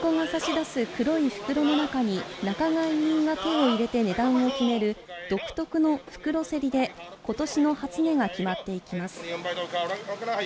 競り子が差し出す黒い袋の中に仲買人が手を入れて値段を決める、独特の袋競りで今年の初値が決まっていきます。